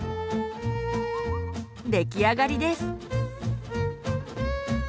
出来上がりです。